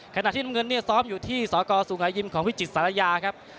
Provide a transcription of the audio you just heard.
ขณะที่น้ำเงินเนี่ยซ้อมอยู่ที่สกสุงหายิมของวิจิตศาลายาครับ